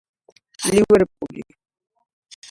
ლივერპული